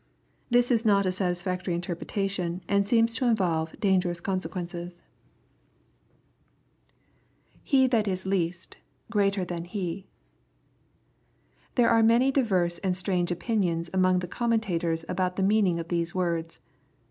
This is not a satisfactory interpretation, and seems to involve dangerous consequences. 10* i '2S/S EXPOSITOBT THOnOHTS. [ffe thai is least ... greater than he,] There are cianj diyorae ftnd strange opinions among the commentators about the meaning of these words.